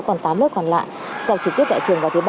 còn tám lớp còn lại sẽ học trực tiếp tại trường vào thứ ba